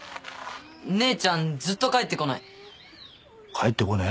姉ちゃんずっと帰ってこない帰ってこねぇ？